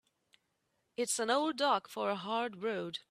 It's an old dog for a hard road.